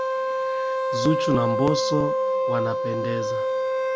Zuchu na mbosso wanapendeza.